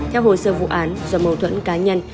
theo hồ sơ vụ án do mâu thuẫn cá nhân